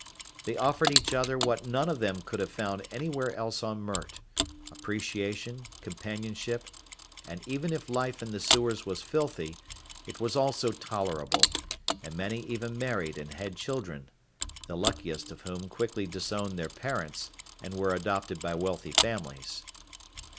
They offered each other what none of them could have found anywhere else on Mert: appreciation, companionship, and even if life in the sewers was filthy, it was also tolerable, and many even married and had children the luckiest of whom quickly disowned their parents and were adopted by wealthy families.